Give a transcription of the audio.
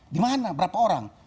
di mana berapa orang